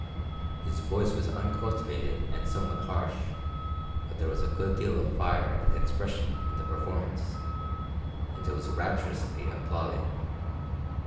His voice was uncultivated and somewhat harsh, but there was a good deal of fire and expression in the performance, and it was rapturously applauded.